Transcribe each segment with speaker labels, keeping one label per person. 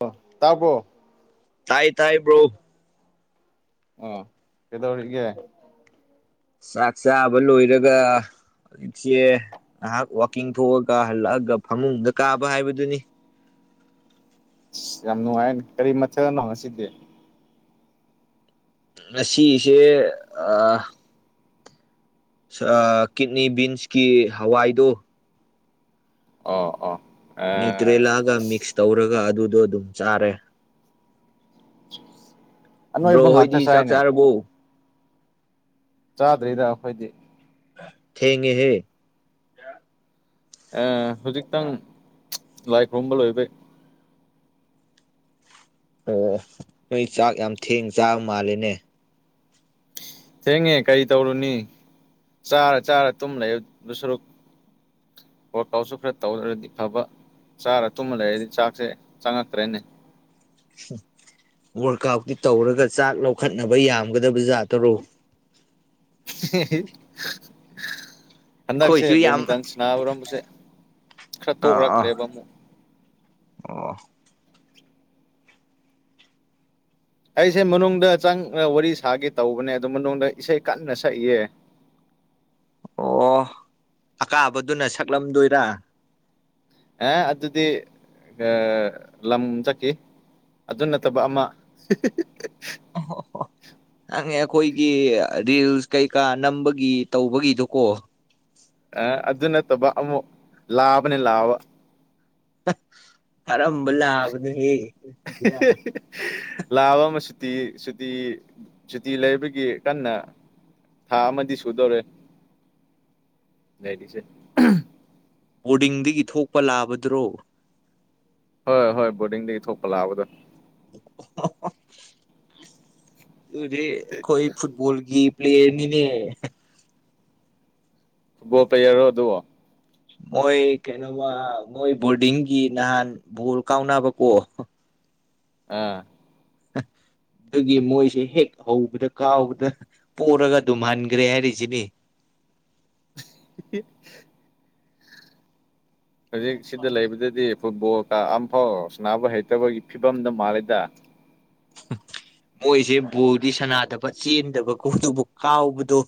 Speaker 1: ꯑꯣ ꯇꯥꯕꯣ
Speaker 2: ꯇꯥꯏ ꯇꯥꯏ ꯕ꯭ꯔꯣ
Speaker 1: ꯑꯣ ꯀꯗꯧꯔꯤꯒꯦ
Speaker 2: ꯆꯥꯛ ꯆꯥꯕ ꯂꯣꯏꯔꯒ ꯍꯧꯖꯤꯛꯆꯦ ꯉꯍꯥꯛ ꯋꯥꯛꯀꯤꯡ ꯊꯣꯛꯑꯒ ꯍꯜꯂꯛꯑꯒ ꯐꯃꯨꯡꯗ ꯀꯥꯕ ꯍꯥꯏꯕꯗꯨꯅꯤ
Speaker 1: ꯑꯁ ꯌꯥꯝ ꯅꯨꯡꯉꯥꯏꯟ ꯀꯔꯤ ꯃꯊꯦꯜꯅꯣ ꯉꯁꯤꯗꯤ
Speaker 2: ꯉꯁꯤꯁꯦ ꯑꯥ ꯀꯤꯠꯅꯤ ꯕꯤꯟꯁꯀꯤ ꯍꯋꯥꯏꯗꯨ
Speaker 1: ꯑꯣ ꯑꯣ ꯑꯦ
Speaker 2: ꯅ꯭ꯌꯨꯇ꯭ꯔꯦꯂꯥꯒ ꯃꯤꯛꯁ ꯇꯧꯔꯒ ꯑꯗꯨꯗꯣ ꯑꯗꯨꯝ ꯆꯥꯔꯦ ꯕ꯭ꯔꯣ
Speaker 1: ꯑꯅꯣꯏꯕ ꯉꯥꯛꯇ
Speaker 2: ꯍꯣꯏꯗꯤ ꯆꯥꯛ
Speaker 1: ꯆꯥꯏꯅꯦ
Speaker 2: ꯆꯥꯔꯕꯣ
Speaker 1: ꯆꯥꯗ꯭ꯔꯤꯗ ꯑꯩꯈꯣꯏꯗꯤ
Speaker 2: ꯊꯦꯡꯉꯦ ꯍꯦ
Speaker 1: ꯑꯥ ꯍꯧꯖꯤꯛꯇꯪ ꯂꯥꯏ ꯈꯨꯔꯨꯝꯕ ꯂꯣꯏꯕꯩ
Speaker 2: ꯑꯣ ꯅꯣꯏ ꯆꯥꯛ ꯌꯥꯝ ꯊꯦꯡ ꯆꯥꯕ ꯃꯥꯜꯂꯦꯅꯦ
Speaker 1: ꯊꯦꯡꯉꯦ ꯀꯔꯤ ꯇꯧꯔꯨꯅꯤ ꯆꯥꯔ ꯆꯥꯔ ꯇꯨꯝ ꯂꯩ ꯑꯗꯨ ꯁꯨꯔꯨꯛ ꯋꯥꯔꯛ ꯑꯥꯎꯠꯁꯨ ꯈꯔ ꯇꯧꯗꯔꯗꯤ ꯐꯕ ꯆꯥꯔ ꯇꯨꯝꯃ ꯂꯩꯔꯗꯤ ꯆꯥꯛꯁꯦ ꯆꯪꯉꯛꯇ꯭ꯔꯦꯅꯦ
Speaker 2: ꯋꯥꯔꯀ ꯑꯥꯎꯇꯤ ꯇꯧꯔꯒ ꯆꯥꯛ ꯂꯧꯈꯠꯅꯕ ꯌꯥꯝꯒꯗꯕ ꯖꯥꯗꯔꯣ
Speaker 1: [unintelligible] ꯍꯟꯗꯛꯁꯦ
Speaker 2: ꯑꯩꯈꯣꯏꯁꯨ ꯌꯥꯝ
Speaker 1: ꯕꯦꯗꯃꯤꯟꯇꯟ ꯁꯅꯥ ꯑꯣꯏꯔꯝꯕꯁꯦ ꯈꯔ
Speaker 2: ꯑꯥ ꯑꯥ
Speaker 1: ꯇꯣꯛꯂꯛꯈ꯭ꯔꯦꯕ ꯑꯃꯨꯛ
Speaker 2: ꯑꯣ
Speaker 1: ꯑꯩꯁꯦ ꯃꯅꯨꯡꯗ ꯆꯪ ꯋꯥꯔꯤ ꯁꯥꯒꯦ ꯇꯧꯕꯅꯦ ꯑꯗꯣ ꯃꯅꯨꯡꯗ ꯏꯁꯩ ꯀꯟꯅ ꯁꯛꯏꯌꯦ
Speaker 2: ꯑꯣ ꯑꯀꯥꯕꯗꯨꯅ ꯁꯛꯂꯝꯗꯣꯏꯔ
Speaker 1: ꯑꯦ ꯑꯗꯨꯗꯤ ꯂꯝ ꯆꯠꯈꯤ ꯑꯗꯨ ꯅꯠꯇꯕ ꯑꯃ
Speaker 2: [unintelligible] ꯍꯪꯉꯦ ꯑꯩꯈꯣꯏꯒꯤ ꯔꯤꯜꯁ ꯀꯩꯀꯥ ꯅꯝꯕꯒꯤ ꯇꯧꯕꯒꯤꯗꯨ ꯀꯣ
Speaker 1: ꯑ ꯑꯗꯨ ꯅꯠꯇꯕ ꯑꯃꯨꯛ ꯂꯥꯕꯅꯤ ꯂꯥꯕ
Speaker 2: ꯀꯔꯝꯕ ꯂꯥꯕꯗꯨꯒꯤ
Speaker 1: ꯂꯥꯕ ꯑꯃ ꯁꯨꯇꯤ ꯁꯨꯇꯤ ꯁꯨꯇꯤ ꯂꯩꯕꯒꯤ ꯀꯟꯅ ꯊꯥ ꯑꯃꯗꯤ ꯁꯨꯗꯧꯔꯦ ꯂꯩꯔꯤꯁꯦ
Speaker 2: ꯕꯣꯔꯗꯤꯡꯗꯒꯤ ꯊꯣꯛꯄ ꯂꯥꯕꯗꯨꯔꯣ
Speaker 1: ꯍꯣꯏ ꯍꯣꯏ ꯕꯣꯔꯗꯤꯡꯗꯒꯤ ꯊꯣꯛꯄ ꯂꯥꯕꯗꯣ
Speaker 2: ꯗꯨꯗꯤ ꯈ‌ꯣꯏ ꯐꯨꯠꯕꯣꯜꯒꯤ ꯄ꯭ꯂꯌꯔ ꯅꯤꯅꯦ
Speaker 1: ꯕꯣꯜ ꯄꯂꯥꯌꯔꯔꯣ ꯑꯗꯨꯕ‌ꯣ
Speaker 2: ꯃꯣꯏ ꯀꯩꯅꯣꯃ ꯃꯣꯏ ꯕꯣꯔꯗꯤꯡꯒꯤ ꯅꯍꯥꯟ ꯕꯣꯜ ꯀꯥꯎꯅꯕꯀꯣ
Speaker 1: ꯑꯥ
Speaker 2: ꯑꯗꯨꯒꯤ ꯃꯣꯏꯁꯦ ꯍꯦꯛ ꯍꯧꯕꯗ ꯀꯥꯎꯕꯗ ꯄꯔꯒ ꯑꯗꯨꯝ ꯍꯟꯈ꯭ꯔꯦ ꯍꯥꯏꯔꯤꯁꯤꯅꯤ
Speaker 1: [unintelligible] ꯍꯧꯖꯤꯛ ꯁꯤꯗ ꯂꯩꯕꯗꯗꯤ ꯐꯨꯠꯕꯣꯜ ꯀ ꯑꯝꯐꯥꯎ ꯁꯕ ꯍꯩꯇꯕꯒꯤ ꯐꯤꯕꯝꯗ ꯃꯜꯂꯦꯗꯥ
Speaker 2: ꯃꯣꯏꯁꯦ ꯕꯣꯗꯤ ꯁꯅꯥꯗꯕ ꯆꯦꯟꯗꯕ ꯈꯣꯠꯇꯕꯨ ꯀꯥꯎꯕꯗꯣ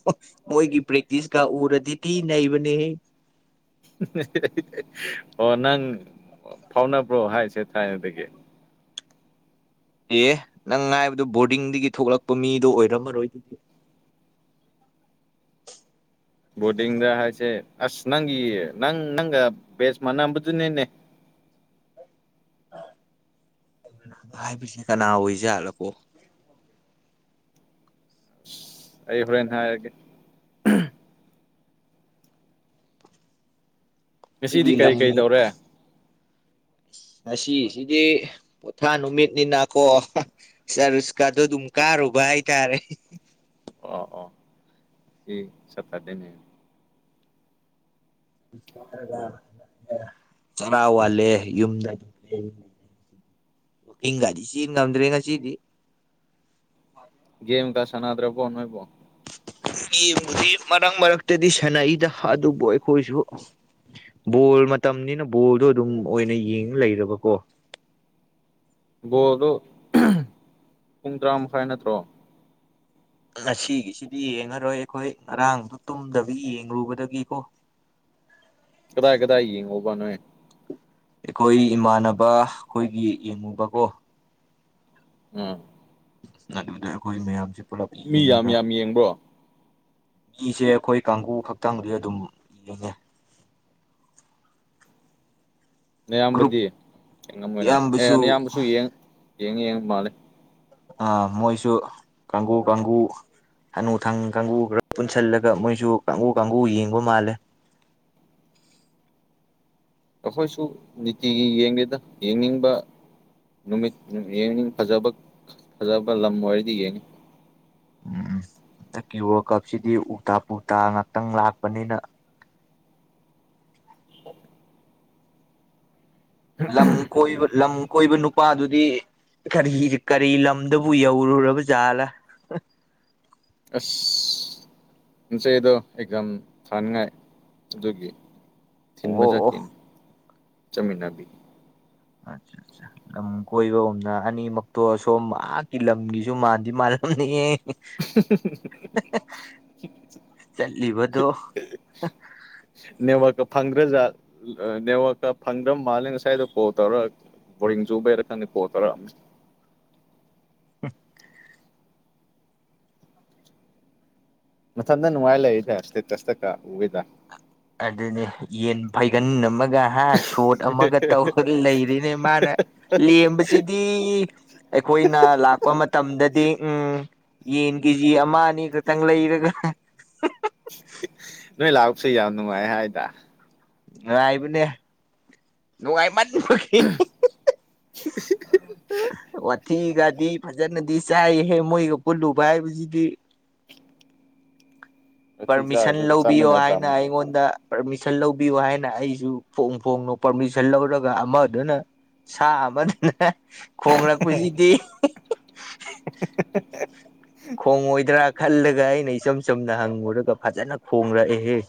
Speaker 2: ꯃꯣꯏꯒꯤ ꯄ꯭ꯔꯦꯛꯇꯤꯁꯀ ꯎꯔꯗꯤꯗꯤꯤ ꯅꯩꯕꯅꯦꯍ‌ꯦ
Speaker 1: ꯑꯣ ꯅꯪ ꯐꯥꯎꯅꯕ꯭ꯔꯣ ꯍꯥꯏꯁꯦ ꯊꯥꯏꯅꯗꯒꯤ
Speaker 2: ꯑꯦ ꯅꯪ ꯉꯥꯏꯕꯗꯨꯣ ꯕꯣꯔꯗꯤꯡꯗꯒꯤ ꯊꯣꯛꯂꯛꯄ ꯃꯤꯗꯣ ꯑꯣꯏꯔꯝꯃꯔꯣꯏ
Speaker 1: ꯕꯣꯔꯗꯤꯡꯗ ꯍꯥꯏꯁꯦ ꯑꯁ ꯅꯪꯒꯤ ꯅꯪ ꯅꯪꯒ ꯕꯦꯁ ꯃꯥꯟꯝꯕꯗꯨꯅꯦꯅꯦ
Speaker 2: ꯍꯥꯏꯕꯁꯦ ꯀꯅꯥ ꯑꯣꯏꯖꯥꯠꯂꯀꯣ
Speaker 1: ꯑꯩ ꯍꯣꯔꯦꯟ ꯍꯥꯏꯔꯒ‌ꯦ ꯉꯁꯤꯗꯤ
Speaker 2: ꯑꯩꯈꯣꯏꯒꯤ
Speaker 1: ꯀꯔꯤ
Speaker 2: ꯂꯝ
Speaker 1: ꯀꯔꯤ ꯇꯧꯔꯦ
Speaker 2: ꯉꯁꯤ ꯁꯤꯗꯤ ꯄꯣꯊꯥ ꯅꯨꯃꯤꯠꯅꯤꯅ ꯀꯣ ꯆꯔꯨꯁꯀꯥꯗꯣ ꯑꯗꯨꯝ ꯀꯥꯔꯨꯕ ꯍꯥꯏꯇꯥꯔꯦ
Speaker 1: ꯑꯣ ꯑꯣ ꯉꯁꯤ ꯁꯇ꯭ꯔꯗꯦꯅꯦ
Speaker 2: ꯆꯔꯥ ꯋꯥꯜꯂꯦ ꯌꯨꯝꯗ ꯍꯤꯡꯒꯥꯗꯤ ꯆꯦꯟ ꯉꯝꯗ꯭ꯔꯦ ꯉꯁꯤꯗꯤ
Speaker 1: ꯒꯦꯝꯒꯥ ꯁꯥꯟꯅꯗ꯭ꯔꯥꯕꯣ ꯅꯣꯏꯕꯣ
Speaker 2: ꯒꯦꯝꯒꯗꯤ ꯃꯔꯛ ꯃꯔꯛꯇꯗꯤ ꯁꯥꯟꯅꯩꯗ ꯑꯗꯨꯕꯨ ꯑꯩꯈꯣꯏꯁꯨ ꯕꯣꯜ ꯃꯇꯝꯅꯤꯅ ꯕꯣꯜꯗꯣ ꯑꯗꯨꯝ ꯑꯣꯏꯅ ꯌꯦꯡ ꯂꯩꯔꯕꯀꯣ
Speaker 1: ꯕꯣꯜꯗꯣ ꯄꯨꯡ ꯇꯔꯥꯃꯈꯥꯏ ꯅꯠꯇ꯭ꯔꯣ
Speaker 2: ꯉꯁꯤꯒꯤꯁꯤꯗꯤ ꯌꯦꯡꯉꯔꯣꯏ ꯑꯩꯈꯣꯏ ꯉꯔꯥꯡꯗꯨ ꯇꯨꯝꯗꯕꯤ ꯌꯦꯡꯂꯨꯕꯗꯒꯤꯀꯣ
Speaker 1: ꯀꯗꯥꯏ ꯀꯗꯥꯏ ꯌꯦꯡꯉꯨꯕ ꯅꯣꯏ
Speaker 2: ꯑꯩꯈꯣꯏ ꯏꯃꯥꯟꯅꯕ ꯑꯩꯈꯣꯏꯒꯤ ꯌꯦꯡꯉꯨꯕꯀꯣ
Speaker 1: ꯎꯝ
Speaker 2: ꯑꯗꯨꯗ ꯑꯩꯈꯣꯏ ꯃꯌꯥꯝꯁꯦ ꯄꯨꯂꯞ
Speaker 1: ꯃꯤ ꯌꯥꯝ
Speaker 2: ꯌꯦꯡꯉꯒ
Speaker 1: ꯌꯥꯝ ꯌꯦꯡꯕ꯭ꯔꯣ
Speaker 2: ꯃꯤꯁꯦ ꯑꯩꯈꯣꯏ ꯀꯥꯡꯒꯨ ꯈꯛꯇꯪꯗꯤ ꯑꯗꯨꯝ ꯌꯦꯡꯉꯦ ꯒ꯭ꯔꯨꯞ
Speaker 1: ꯅꯌꯥꯝꯕꯗꯤ ꯌꯦꯡꯉꯝꯃꯣꯏꯅ ꯑꯦ
Speaker 2: ꯏꯌꯥꯝꯕꯁꯨ
Speaker 1: ꯅꯌꯥꯝꯕꯁꯨ ꯌꯦꯡ ꯌꯦꯡ ꯌꯦꯡ ꯃꯥꯜꯂꯦ
Speaker 2: ꯑ ꯃꯣꯏꯁꯨ ꯀꯥꯡꯒꯨ ꯀꯥꯡꯒꯨ ꯍꯅꯨꯊꯪ ꯀꯥꯡꯒꯨ ꯈꯔ ꯄꯨꯟꯁꯜꯂꯒ ꯃꯣꯏꯁꯨ ꯀꯥꯡꯒꯨ ꯀꯥꯡꯒꯨ ꯌꯦꯡꯕ ꯃꯥꯜꯂꯦ
Speaker 1: ꯑꯩꯈꯣꯏꯁꯨ ꯅꯤꯇꯤꯒꯤ ꯌꯦꯡꯗꯦꯗ ꯌꯦꯡꯅꯤꯡꯕ ꯅꯨꯃꯤꯠ ꯌꯦꯡꯅꯤꯡ ꯐꯖꯕ ꯐꯖꯕ ꯂꯝ ꯑꯣꯏꯔꯗꯤ ꯌꯦꯡꯉꯤ
Speaker 2: ꯎꯝ ꯍꯟꯗꯛꯀꯤ ꯋꯥꯔꯜ ꯀꯞꯁꯤꯗꯤ ꯎꯜꯇꯥꯥ ꯄꯨꯜꯇꯥꯥ ꯉꯥꯛꯇꯪ ꯂꯥꯛꯄꯅꯤꯅ ꯂꯝ ꯀꯣꯏꯕ ꯂꯝ ꯀꯣꯏꯕ ꯅꯨꯄꯥꯗꯨꯗꯤ ꯀꯔꯤ ꯀꯔꯤ ꯂꯝꯗꯕꯨ ꯌꯧꯔꯨꯔꯕ ꯖꯥꯠꯂꯥ
Speaker 1: ꯑꯁ [unintelligible] ꯑꯦꯛꯖꯥꯝ ꯊꯥꯅꯤꯉꯥꯏ ꯑꯗꯨꯒꯤ ꯊꯤꯟꯕ
Speaker 2: ꯑꯣ
Speaker 1: ꯆꯠꯀꯦ ꯆꯠꯃꯤꯟꯅꯕꯤ
Speaker 2: ꯑꯆꯥ ꯆꯥ ꯂꯝ ꯀꯣꯏꯕꯒꯨꯝꯅ ꯑꯅꯤꯃꯛꯇꯣ ꯑꯁꯣꯝ [unintelligible] ꯂꯝꯒꯤꯁꯨ ꯃꯥꯟꯗꯤ ꯃꯥꯥꯟꯂꯝꯅꯤꯍꯦ ꯆꯠꯂꯤꯕꯗꯣ
Speaker 1: ꯅꯦꯠꯋꯥꯛꯀ ꯐꯪꯗ꯭ꯔꯖꯥꯠ ꯅꯦꯋꯥꯛꯀ ꯐꯪꯗ꯭ꯔ ꯃꯥꯜꯂꯦ ꯉꯁꯥꯏꯗꯣ ꯀꯣꯜ ꯇꯧꯔꯥ ꯕꯣꯔꯤꯡ ꯆꯨꯕꯩꯔꯥ ꯈꯪꯗꯦ ꯀꯣꯜ ꯇꯧꯔꯥ
Speaker 2: [unintelligible]
Speaker 1: ꯃꯊꯟꯇꯥ ꯅꯨꯡꯉꯥꯏꯌꯥ ꯂꯩꯗꯥ ꯏꯁꯇꯦꯇꯁ ꯇꯀꯥ ꯎꯋꯦꯗ
Speaker 2: ꯑꯗꯨꯅꯤ ꯌꯦꯟ ꯐꯩꯒꯟ ꯑꯃꯒ ꯍꯥ ꯁꯣꯠ ꯑꯃꯒ ꯇꯧꯔ ꯂꯩꯔꯤꯅꯦ ꯃꯥꯅ ꯂꯦꯝꯕꯁꯤꯗꯤ ꯑꯩꯈꯣꯏꯅ ꯂꯥꯛꯄ ꯃꯇꯝꯗꯗꯤ ꯎꯝ ꯌꯦꯟ ꯀꯦꯖꯤ ꯑꯃ ꯑꯅꯤ ꯈꯛꯇꯪ ꯂꯩꯔꯒ
Speaker 1: ꯅꯣꯏ ꯂꯥꯛꯄꯁꯨ ꯌꯥꯝ ꯅꯨꯡꯉꯥꯏ ꯍꯥꯏꯗ
Speaker 2: ꯉꯥꯏꯕꯅꯦ ꯅꯨꯡꯉꯥꯏꯃꯟꯕꯒꯤ ꯋꯥꯊꯤꯒꯗꯤ ꯐꯖꯅꯗꯤ ꯆꯥꯏꯍꯦ ꯃꯣꯏꯒ ꯄꯨꯜꯂꯨꯕ ꯍꯥꯏꯕꯁꯤꯗꯤ
Speaker 1: ꯎꯊꯤ
Speaker 2: ꯄꯔꯃꯤꯁꯟ
Speaker 1: ꯆꯥꯔꯁꯨ
Speaker 2: ꯂꯧꯕꯤꯌꯣ
Speaker 1: ꯆꯥꯃꯤꯟꯅ
Speaker 2: ꯍꯥꯏꯅ
Speaker 1: ꯇꯥꯕꯅꯤ
Speaker 2: ꯑꯩꯉꯣꯟꯗ ꯄꯔꯃꯤꯁꯟ ꯂꯧꯕꯤꯌꯨ ꯍꯥꯏꯅ ꯑꯩꯁꯨ ꯐꯣꯡ ꯐꯣꯡꯅꯣ ꯄꯔꯃꯤꯁꯟ ꯂꯧꯔꯒ ꯑꯃꯗꯨꯅ ꯁꯥ ꯑꯃꯗꯨꯅ ꯈꯣꯡꯂꯛꯄꯁꯤꯗꯤ
Speaker 1: [unintelligible]
Speaker 2: ꯈꯣꯡꯉꯣꯏꯗ꯭ꯔꯥ ꯈꯜꯂꯒ ꯑꯩꯅ ꯏꯆꯝ ꯆꯨꯝꯅ ꯍꯪꯉꯨꯔꯒ ꯐꯖꯅ ꯈꯣꯡꯂꯛꯑꯦꯍꯦ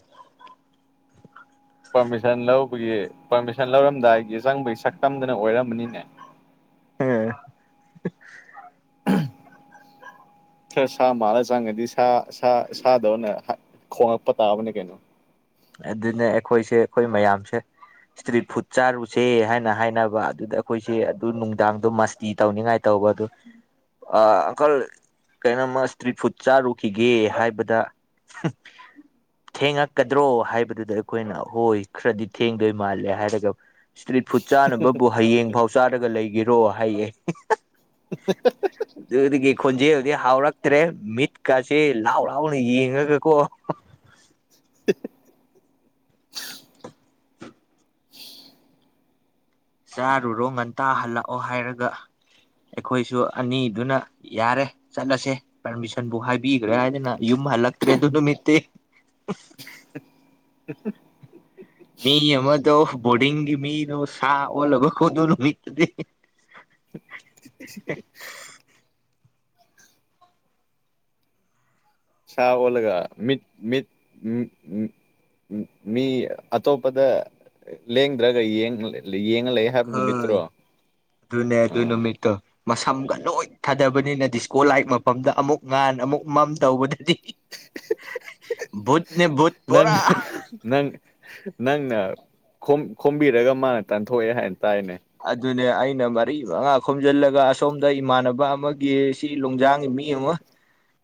Speaker 1: ꯄꯔꯃꯤꯁꯟ ꯂꯧꯕꯒꯤ ꯄꯔꯃꯤꯁꯟ ꯂꯧꯔꯝꯗꯥꯏꯒꯤ ꯆꯪꯕꯒꯤ ꯁꯛꯇꯝꯗꯨꯅ ꯑꯣꯏꯔꯝꯕꯅꯤꯅꯦ
Speaker 2: ꯑꯝ
Speaker 1: [inaudible] ꯈꯔ ꯁꯥ ꯃꯥꯜꯂ ꯆꯪꯉꯗꯤ ꯁꯥ ꯁꯥ ꯁꯥꯗꯧꯅ ꯈꯣꯉꯛꯄ ꯇꯥꯕꯅꯦ ꯀꯩꯅꯣ
Speaker 2: ꯑꯗꯨꯅ ꯑꯩꯈꯣꯏꯁꯦ ꯑꯩꯈꯣꯏ ꯃꯌꯥꯝꯁꯦ ꯏꯁꯇ꯭ꯔꯤꯠ ꯐꯨꯗ ꯆꯥꯔꯨꯁꯦ ꯍꯥꯏꯅ ꯍꯥꯏꯅꯕ ꯑꯗꯨꯗ ꯑꯩꯈꯣꯏꯁꯦ ꯑꯗꯨ ꯅꯨꯡꯗꯥꯡꯗꯣ ꯃꯁꯇꯤ ꯇꯧꯅꯤꯡꯉꯥꯏ ꯇꯧꯕ ꯑꯗꯨ ꯑ ꯑꯀꯜ ꯀꯔꯤꯅꯣꯝꯃ ꯏꯁꯇ꯭ꯔꯤꯠ ꯐꯨꯗ ꯆꯥꯔꯨꯈꯤꯒꯦ ꯍꯥꯏꯕꯗ ꯊꯦꯡꯉꯛꯀ ꯗ꯭ꯔꯣ ꯍꯥꯏꯕꯗꯨꯗ ꯑꯩꯈꯣꯏꯅ ꯍꯣꯏ ꯈꯔꯗꯤ ꯊꯦꯡꯗꯣꯏ ꯃꯥꯜꯂꯦ ꯍꯥꯏꯔꯒ ꯏꯁꯇ꯭ꯔꯤꯠ ꯐꯨꯗ ꯆꯥꯅꯕꯕꯨ ꯍꯌꯦꯡ ꯐꯥꯎ ꯆꯥꯔꯒ ꯂꯩꯒꯦꯔꯣ ꯍꯥꯏꯌꯦ
Speaker 1: [unintelligible]
Speaker 2: ꯑꯗꯨꯗꯒꯤ ꯈꯣꯟꯖꯦꯜꯗꯨꯗꯤ ꯍꯥꯎꯔꯛꯇ꯭ꯔꯦ ꯃꯤꯠꯀꯥꯁꯦ ꯂꯥꯎ ꯂꯥꯎꯅ ꯌꯦꯡꯉꯒꯀꯣ
Speaker 1: [unintelligible]
Speaker 2: ꯆꯥꯔꯨꯔꯣ ꯉꯟꯇꯥ ꯍꯜꯂꯛꯑꯣ ꯍꯥꯏꯔꯒ ꯑꯩꯈꯣꯏꯁꯨ ꯑꯅꯤꯗꯨꯅ ꯌꯥꯔꯦ ꯆꯠꯂꯁꯦ ꯄꯔꯃꯤꯁꯟꯕꯨ ꯍꯥꯏꯕꯤꯈ꯭ꯔꯦ ꯍꯥꯏꯗꯅ ꯌꯨꯝ ꯍꯜꯂꯛꯇ꯭ꯔꯦ ꯑꯗꯨ ꯅꯨꯃꯤꯠꯇꯤ ꯃꯤ ꯑꯃꯗꯣ ꯕꯣꯔꯗꯤꯡꯒꯤ ꯃꯤꯗꯣ ꯁꯥ ꯑꯣꯜꯂꯕꯒꯣ ꯑꯗꯨ ꯅꯨꯃꯤꯠꯇꯨꯗꯤ
Speaker 1: [unintelligible] ꯁꯥ ꯑꯣꯜꯂꯒ ꯃꯤꯠ ꯃꯤꯠ ꯃꯤ ꯑꯇꯣꯞꯄꯗ ꯂꯦꯡꯗ꯭ꯔꯒ ꯌꯦꯡꯉ ꯂꯩ ꯍꯥꯏꯕ
Speaker 2: ꯍꯣꯏ
Speaker 1: ꯅꯨꯃꯤꯠꯇ꯭ꯔꯣ
Speaker 2: ꯑꯗꯨꯅꯦ ꯑꯗꯨ
Speaker 1: ꯑꯥ
Speaker 2: ꯅꯨꯃꯤꯠꯇꯣ ꯃꯁꯝꯒ ꯂꯣꯏ ꯊꯥꯗꯕꯅꯤꯅ ꯗꯤꯁꯀꯣ ꯂꯥꯏꯛ ꯃꯐꯝꯗ ꯑꯃꯨꯛ ꯉꯥꯟꯅ ꯑꯃꯨꯛ ꯃꯝ ꯇꯧꯕꯗꯗꯤ ꯕꯨꯠꯅꯦ ꯕꯨꯠ
Speaker 1: ꯅꯪ
Speaker 2: ꯄꯨꯔꯥ
Speaker 1: ꯅꯪ ꯅꯪꯅ ꯈꯣꯝꯕꯤꯔꯒ ꯃꯥꯅ ꯇꯥꯟꯊꯣꯛꯑꯦ ꯍꯥꯏꯅ ꯇꯥꯏꯅꯦ
Speaker 2: ꯑꯗꯨꯅꯦ ꯑꯩꯅ ꯃꯔꯤ ꯃꯉꯥ ꯈꯣꯝꯖꯤꯜꯂꯒ ꯑꯁꯣꯝꯗ ꯏꯃꯥꯟꯅꯕ ꯑꯃꯒꯤ ꯁꯤ ꯂꯣꯡꯖꯥꯡꯒꯤ ꯃꯤ ꯑꯃ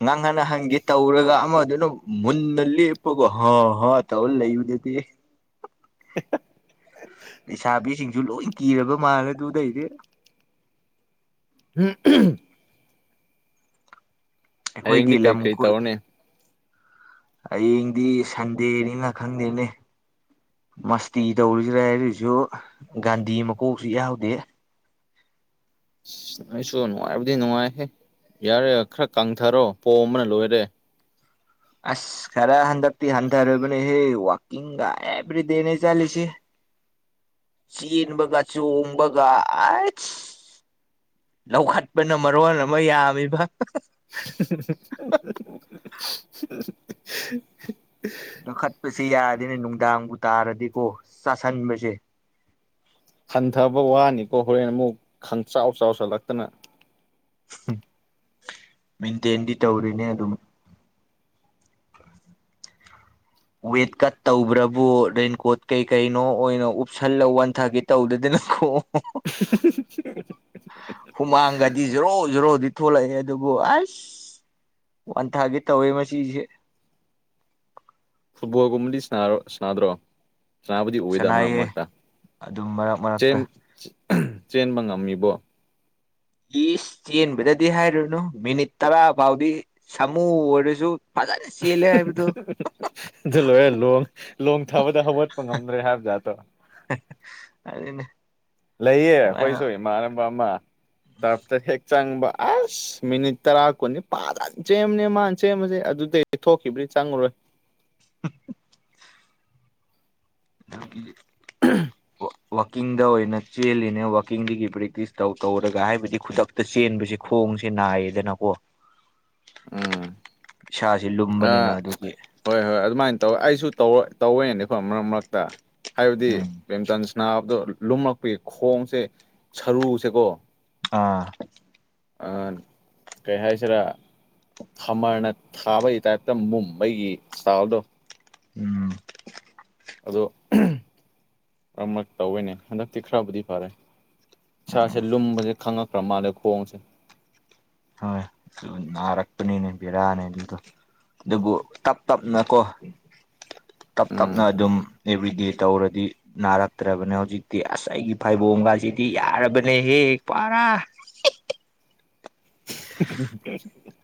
Speaker 2: ꯉꯥꯡꯍꯥꯟꯟꯅ ꯍꯪꯒꯦ ꯇꯧꯔꯒ ꯑꯃꯗꯨꯅ ꯃꯨꯟꯅ ꯂꯦꯞꯄꯀꯣ ꯍꯥ ꯍꯥ ꯇꯧꯔ ꯂꯩꯕꯗꯨꯗꯤ
Speaker 1: [unintelligible]
Speaker 2: ꯂꯩꯁꯥꯕꯤꯁꯤꯡꯁꯨ ꯂꯣꯏ ꯀꯤꯔꯕ ꯃꯥꯜꯂꯦ ꯑꯗꯨꯗꯩꯗꯤ
Speaker 1: ꯎꯝ [unintelligible]
Speaker 2: ꯑꯩꯈꯣꯏꯒꯤ
Speaker 1: ꯍꯌꯦꯡꯗꯤ ꯀꯩ ꯀꯩ
Speaker 2: ꯂꯝꯈꯨꯜ
Speaker 1: ꯇꯧꯔꯅꯤ
Speaker 2: ꯍꯌꯦꯡꯗꯤ ꯁꯟꯗꯦꯅꯤꯅ ꯈꯪꯗꯦꯅꯦ ꯃꯁꯇꯤ ꯇꯧꯔꯤꯁꯤꯔ ꯍꯥꯏꯔꯁꯨ ꯒꯥꯟꯗꯤ ꯃꯀꯣꯛꯁꯨ ꯌꯥꯎꯗꯦ
Speaker 1: ꯑ ꯑꯩꯁꯨ ꯅꯨꯡꯉꯥꯏꯕꯗꯤ ꯅꯨꯡꯉꯥꯏꯍꯦ ꯌꯥꯔꯦ ꯈꯔ ꯀꯥꯡꯊꯔꯣ ꯄꯣꯝꯕꯅ ꯂꯣꯏꯔꯦ
Speaker 2: ꯑꯁ ꯈꯔ ꯍꯟꯗꯛꯇꯤ ꯍꯟꯊꯔꯕꯅꯦꯍꯦ ꯋꯥꯛꯀꯤꯡꯒ ꯑꯦꯕ꯭ꯔꯤꯗꯦꯅꯦ ꯆꯠꯂꯤꯁꯤ ꯆꯦꯟꯕꯒ ꯆꯣꯡꯕꯒ ꯂꯧꯈꯠꯄꯅ ꯃꯔꯣꯟ ꯑꯃ ꯌꯥꯝꯃꯤꯕ
Speaker 1: ꯦ [unintelligible]
Speaker 2: ꯂꯧꯈꯠꯄꯁꯦ ꯌꯥꯗꯦꯅꯦ ꯅꯨꯡꯗꯥꯡꯕꯨ ꯇꯥꯔꯗꯤꯀꯣ ꯆꯥꯁꯟꯕꯁꯦ
Speaker 1: ꯍꯟꯊꯕ ꯋꯥꯅꯤꯀꯣ ꯍꯣꯔꯦꯟ ꯑꯃꯨꯛ ꯈꯪꯆꯥꯎ ꯆꯥꯎꯁꯜꯂꯛꯇꯅ
Speaker 2: ꯃꯦꯟꯇꯦꯟꯗꯤ ꯇꯧꯔꯤꯅꯦ ꯑꯗꯨꯝ ꯋꯦꯠ ꯀꯠ ꯇꯧꯕ꯭ꯔꯕꯨ ꯔꯦꯟꯀꯣꯠ ꯀꯩ ꯀꯩꯅꯣ ꯑꯣꯏꯅ ꯎꯞꯁꯜꯂ ꯋꯥꯟ ꯊꯥꯒꯤ ꯇꯧꯗꯅꯀꯣ
Speaker 1: [unintelligible]
Speaker 2: ꯍꯨꯃꯥꯡꯒꯗꯤ ꯖꯔꯣ ꯖꯔꯣꯗꯤ ꯊꯣꯛꯂꯛꯑꯦ ꯑꯗꯨꯕꯨ ꯑꯁ ꯋꯥꯟꯊꯥꯒꯤ ꯇꯧꯋꯦ ꯉꯁꯤꯁꯦ
Speaker 1: ꯐꯨꯠꯕꯣꯜꯒꯨꯝꯕꯗꯤ ꯁꯥꯔ ꯁꯅꯥꯗ꯭ꯔꯣ ꯆꯅꯥꯕꯨꯗꯤ ꯑꯣꯏꯗ ꯃꯔꯛ
Speaker 2: ꯁꯅꯥꯏꯌꯦ
Speaker 1: ꯃꯔꯛꯇ
Speaker 2: ꯑꯗꯨꯝ ꯃꯔꯛ ꯃꯔꯛꯇ
Speaker 1: ꯆꯦꯝ ꯆꯦꯟꯕ ꯉꯝꯃꯤꯕꯣ
Speaker 2: ꯏꯁ ꯆꯦꯟꯕꯗꯗꯤ ꯍꯥꯏꯔꯨꯅꯨ ꯃꯤꯅꯤꯠ ꯇꯔꯥ ꯐꯥꯎꯗꯤ ꯁꯥꯃꯨ ꯑꯣꯏꯔꯁꯨ ꯐꯖꯥꯟ
Speaker 1: ꯑꯗꯨ ꯂꯣꯏꯔꯦ ꯂꯣꯡ ꯂꯣꯡ ꯊꯥꯕꯗ ꯍꯧꯒꯠꯄ ꯉꯝꯗ꯭ꯔꯦ ꯍꯥꯏꯕ ꯖꯥꯠꯇꯣ
Speaker 2: ꯑꯔꯨꯅꯦ
Speaker 1: ꯂꯩꯌꯦ ꯑꯩꯈꯣꯏꯁꯨ ꯏꯃꯥꯟꯅꯕ ꯑꯃ ꯇꯔꯞꯇ ꯍꯦꯛ ꯆꯪꯕ ꯑꯁ ꯃꯤꯅꯤꯠ ꯇꯔꯥ ꯀꯨꯟꯗꯤ ꯄꯥꯗꯟ ꯆꯦꯟꯃꯅꯦ ꯃꯥꯅ ꯆꯦꯟꯕꯁꯦ ꯑꯗꯨꯗꯩ ꯍꯦꯛ ꯊꯣꯛꯈꯤꯕꯗꯩ ꯆꯪꯉꯨꯔꯣꯏ
Speaker 2: [inaudible] [inaudible]
Speaker 1: [unintelligible]
Speaker 2: ꯋꯥꯋꯥꯛꯀꯤꯡꯗ ꯑꯣꯏꯅ ꯆꯦꯜꯂꯤꯅꯦ ꯋꯥꯛꯀꯤꯡꯗꯒꯤ ꯄ꯭ꯔꯦꯛ ꯇꯧ ꯇꯧꯔꯒ ꯍꯥꯏꯕꯗꯤ ꯈꯨꯗꯛ ꯇ ꯆꯦꯟꯕꯁꯦ ꯈꯣꯡꯁꯦ ꯅꯥꯏꯌꯦꯗꯅꯀꯣ
Speaker 1: ꯎꯝ
Speaker 2: ꯏꯁꯥꯁꯤ ꯂꯨꯝꯕꯅꯤꯅ
Speaker 1: ꯑꯥ
Speaker 2: ꯑꯗꯨꯒꯤ
Speaker 1: ꯍꯣꯏ ꯍꯣꯏ ꯑꯗꯨꯃꯥꯏꯅ ꯇꯧꯋ ꯑꯩꯁꯨ ꯇꯧ ꯇꯧꯋꯦꯅꯤꯀꯣ ꯃꯔꯛ ꯃꯔꯛꯇ ꯍꯥꯏꯕꯗꯤ
Speaker 2: ꯎꯝ
Speaker 1: ꯕꯦꯝꯇꯟꯁ ꯅꯥꯕꯗꯣ ꯂꯨꯝꯃꯛꯄꯩ ꯈꯣꯡꯁꯦ ꯁꯔꯨꯁꯦꯀꯣ
Speaker 2: ꯑꯥ
Speaker 1: ꯑ ꯀꯩ ꯍꯥꯏꯁꯤꯔꯥ ꯈꯝꯃꯔꯅ ꯊꯥꯕꯒꯤ ꯇꯥꯏꯞꯇ ꯃꯨꯝꯕꯩꯒꯤ ꯆꯥꯎꯗꯣ
Speaker 2: ꯎꯝ
Speaker 1: ꯑꯗꯣ ꯑꯃꯛ ꯇꯧꯑꯦꯅꯦ ꯍꯟꯗꯛꯇꯤ ꯈꯔꯕꯨꯗꯤ ꯐꯔꯦ ꯏꯁꯥꯁꯦ ꯂꯨꯝꯕꯁꯦ ꯈꯪꯉꯛꯈ꯭ꯔ ꯃꯥꯜꯂꯦ ꯈꯣꯡꯁꯦ
Speaker 2: ꯍꯣꯏ ꯗꯨꯅꯤ ꯅꯥꯔꯛꯄꯅꯤꯅꯦ ꯕꯤꯔꯥꯅꯦ ꯑꯗꯨꯗ ꯑꯗꯨꯕꯨ ꯇꯞ ꯇꯞꯅ ꯀꯣ ꯇꯞ
Speaker 1: ꯎꯝ
Speaker 2: ꯇꯞꯅ ꯑꯗꯨꯝ ꯑꯦꯕ꯭ꯔꯤꯗꯦ ꯇꯧꯔꯗꯤ ꯅꯥꯔꯛꯇ꯭ꯔꯕꯅꯦ ꯍꯧꯖꯤꯛꯇꯤ ꯑꯁ ꯑꯩꯒꯤ ꯐꯩꯕꯣꯝꯒꯁꯤꯗꯤ ꯌꯥꯔꯕꯅꯦꯍꯦ ꯄꯨꯔꯥ
Speaker 1: [unintelligible]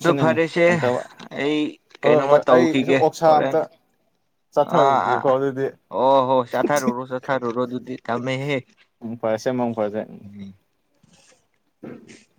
Speaker 2: ꯑꯗꯨ ꯐꯔꯦꯁꯦ
Speaker 1: ꯍꯟꯊꯕ
Speaker 2: ꯑꯩ
Speaker 1: ꯍꯣꯏ
Speaker 2: ꯀꯩꯅꯣꯃ
Speaker 1: ꯍꯣꯏ ꯑꯩꯁꯨ
Speaker 2: ꯇꯧꯈꯤꯒꯦ
Speaker 1: ꯑꯣꯛꯁꯥ
Speaker 2: ꯍꯣꯔꯦꯟ
Speaker 1: ꯑꯝꯇ
Speaker 2: ꯑ ꯑ
Speaker 1: ꯆꯥꯊꯔꯨꯒꯦꯀꯣ ꯑꯗꯨꯗꯤ
Speaker 2: ꯑꯣ ꯍꯣ ꯆꯊꯥꯔꯨꯔꯣ ꯆꯊꯥꯔꯨꯔꯣ ꯑꯗꯨꯗꯤ ꯊꯝꯃꯦꯍꯦ
Speaker 1: [unintelligible]
Speaker 2: ꯎꯝ [unintelligible]